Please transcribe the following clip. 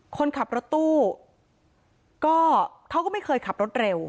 คนขับรถตู้ก็เขาก็ไม่เคยขับรถเร็ว